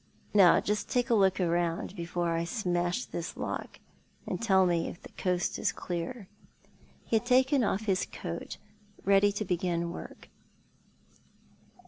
Kow, just take a look round before I smash this lock, and tell me if the coast is clear." He had taken off his coat, ready to begin work.